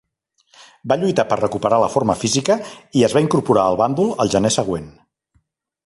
Va lluitar per recuperar la forma física i es va incorporar al bàndol el gener següent.